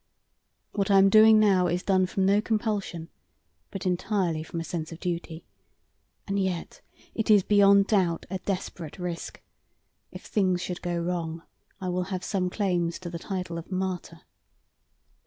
What I am doing now is done from no compulsion, but entirely from a sense of duty, and yet it is, beyond doubt, a desperate risk. If things should go wrong, I will have some claims to the title of martyr."